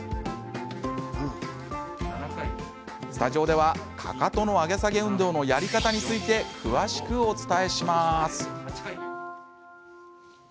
スタジオではかかとの上げ下げ運動のやり方について詳しくお伝えします。